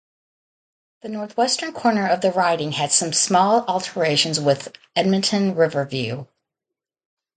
The northwestern corner of the riding had some small alterations with Edmonton-Riverview.